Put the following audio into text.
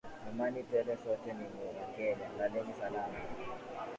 Amani tele sote ni wakenya, laleni salama